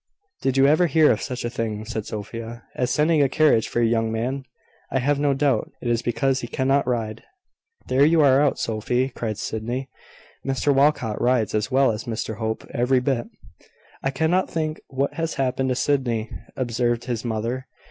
"Did you ever hear of such a thing," said Sophia, "as sending a carriage for a young man? I have no doubt it is because he cannot ride." "There you are out, Sophy," cried Sydney. "Mr Walcot rides as well as Mr Hope, every bit." "I cannot think what has happened to Sydney," observed his mother.